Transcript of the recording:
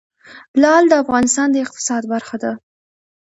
لعل د افغانستان د اقتصاد برخه ده.